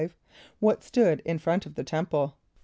= What stood in front of the temple?